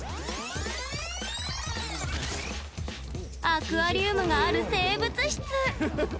アクアリウムがある生物室。